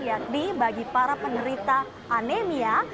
yang dibagi para penderita anemia